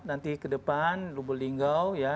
nanti kedepan lubuk linggau